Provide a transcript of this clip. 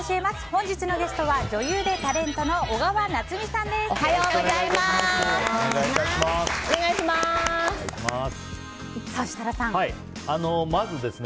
本日のゲストは女優でタレントの小川菜摘さんです。